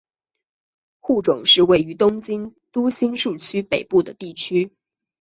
户冢是位于东京都新宿区北部的地区。